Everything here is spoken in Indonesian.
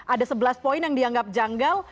ada sebelas poin yang dianggap janggal